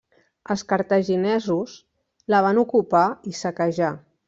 Els cartaginesos la van ocupar i saquejar.